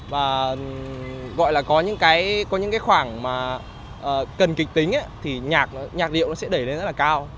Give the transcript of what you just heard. và gọi là có những cái khoảng mà cần kịch tính thì nhạc điệu nó sẽ đẩy lên rất là cao